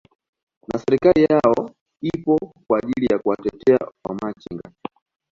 na serikali yake ipo kwa ajili ya kuwatetea wa machinga